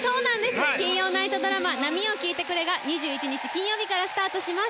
金曜ナイトドラマ「波よ聞いてくれ」が２１日金曜日からスタートします。